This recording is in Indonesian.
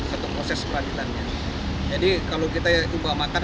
setelah proses peradilannya jadi kalau kita tumbang makan